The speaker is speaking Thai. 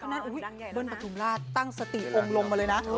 เบิ้ลประถุงราชตั้งสติอมลงมาเลยนะ